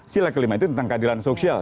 sila kelima itu tentang keadilan sosial